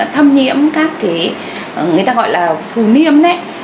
thứ ba là phù niêm